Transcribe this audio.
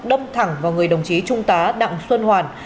đâm thẳng vào người đồng chí trung tá đặng xuân hoàn